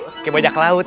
kayak bajak laut